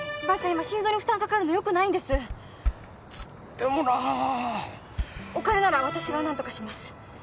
今心臓に負担かかるのよくないんですっつってもなあお金なら私が何とかします